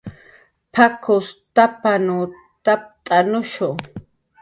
"p""ak""us tapanw tapt'anushu "